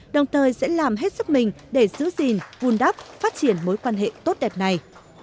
đồng thời sẽ làm hết sức mình để giữ gìn vun đắp phát triển mối quan hệ tốt đẹp này